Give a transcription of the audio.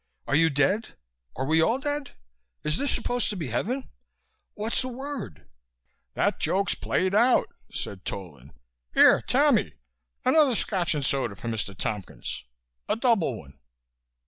Are you dead? Are we all dead? Is this supposed to be heaven? What's the word?" "That joke's played out," said Tolan. "Here, Tammy, another Scotch and soda for Mr. Tompkins. A double one."